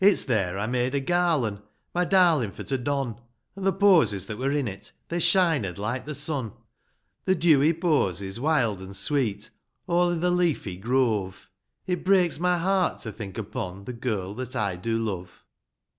It's there I made a garlan', My darlin' for to don, And the posies that were in it, They shined like the sun ; The dewy posies, wild and sweet, All in the leafy grove ; It breaks my heart to think upon The girl that I do love.